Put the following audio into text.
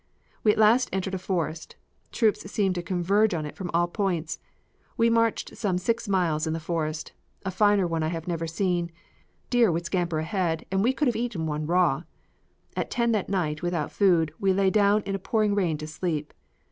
We at last entered a forest; troops seemed to converge on it from all points. We marched some six miles in the forest, a finer one I have never seen deer would scamper ahead and we could have eaten one raw. At 10 that night without food, we lay down in a pouring rain to sleep.